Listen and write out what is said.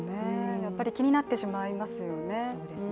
やっぱり気になってしまいますよね。